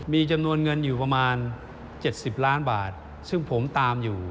มีจำนวนเงินอยู่ประมาณ๗๐ล้านบาทซึ่งผมตามอยู่